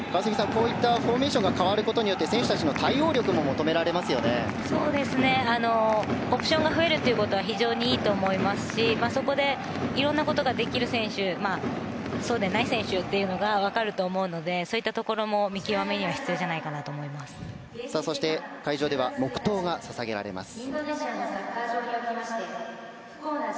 こういったフォーメーションが変わることによって選手たちの対応力もオプションが増えるということは非常にいいと思いますし、そこでいろんなことができる選手そうではない選手が分かると思うのでそういったところも見極めにそして、会場では黙祷が捧げられます。